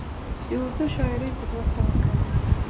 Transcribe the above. د اردو شاعرۍ په دوه سوه کلن